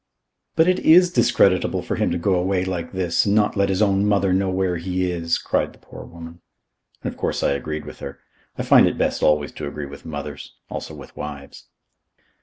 "But it IS discreditable for him to go away like this and not let his own mother know where he is," cried the poor woman. And of course I agreed with her. I find it best always to agree with mothers; also with wives.